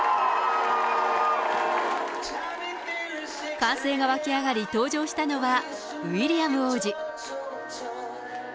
歓声が沸き上がり、登場したのは、ウィリアム王子。